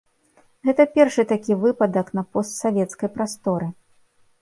Гэта першы такі выпадак на постсавецкай прасторы.